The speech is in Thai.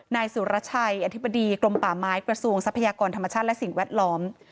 นายสุรชัยอธิบดีกรมป่าไม้กระทรวงทรัพยากรธรรมชาติและสิ่งแวดล้อม